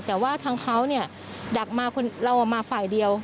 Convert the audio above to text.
แต่ว่าทางเขาเนี่ยดักมาเรามาฝ่ายเดียว